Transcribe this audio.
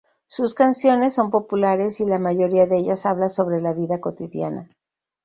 Sus canciones son populares y la mayoría de ellas habla sobre la vida cotidiana.